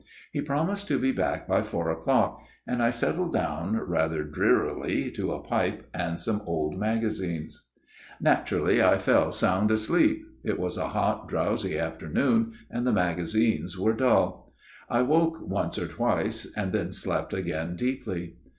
He promised to be back by four o'clock ; and I settled down rather drearily to a pipe and some old magazines. 274 A MIRROR OF SHALOTT " Naturally I fell sound asleep ; it was a hot, drowsy afternoon and the magazines were dull. I awoke once or twice, and then slept again deeply.